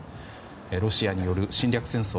ロシアによる侵略戦争